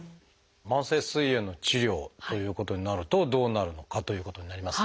慢性すい炎の治療ということになるとどうなるのかということになりますが。